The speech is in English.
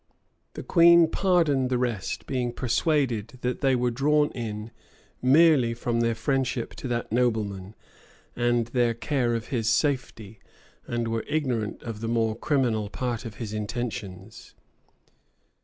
The queen pardoned the rest; being persuaded that they were drawn in merely from their friendship to that nobleman, and their care of his safety, and were ignorant of the more criminal part of his intentions.